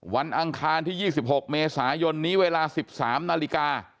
อังคารที่๒๖เมษายนนี้เวลา๑๓นาฬิกา